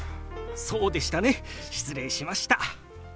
そうでしたね失礼しました。